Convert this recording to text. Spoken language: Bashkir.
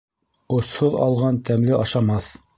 Осһоҙ алған тәмле ашамаҫ.